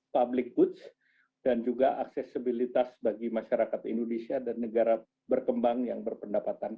public goods dan juga aksesibilitas bagi masyarakat indonesia dan negara berkembang yang berpendapatan